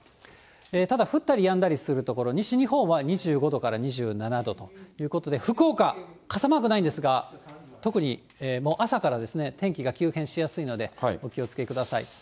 ただ降ったりやんだりする所、西日本は２５度から２７度ということで、福岡、傘マークないんですが、特にもう朝から天気が急変しやすいので、お気をつけください。